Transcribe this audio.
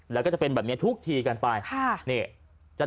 แล้วก็จะเป็นแบบเนี้ยทุกทีกันไปค่ะเนี้ย